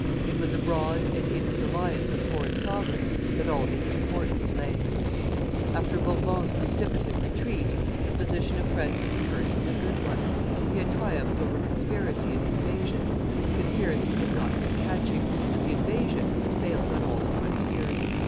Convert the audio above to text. It was abroad and in his alliance with foreign sovereigns that all his importance lay. After Bourbon's precipitate retreat, the position of Francis I. was a good one. He had triumphed over conspiracy and invasion; the conspiracy had not been catching, and the invasion had failed on all the frontiers.